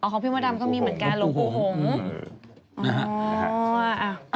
อ๋อของพี่มดัมก็มีเหมือนกันหรือปู่หง